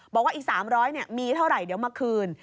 บอกว่าอีก๓๐๐มีเท่าไหร่เดี๋ยวมาคืน